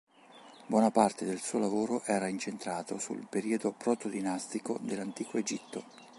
Buona parte del suo lavoro era incentrato sul Periodo Protodinastico dell'antico Egitto.